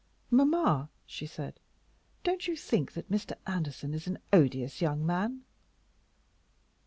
"Mamma," she said, "don't you think that that Mr. Anderson is an odious young man?"